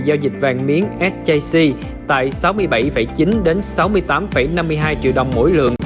giao dịch vàng miếng sjc tại sáu mươi bảy chín đến sáu mươi tám năm mươi hai triệu đồng mỗi lượng